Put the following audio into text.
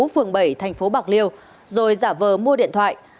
phường bảy tp bạc liêu rồi giả vờ mua điện thoại